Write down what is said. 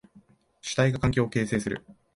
主体が環境を形成する。